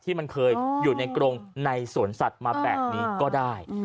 ที่มันเคยอยู่ในกรงในสวนสัตว์มาแบบนี้ก็ได้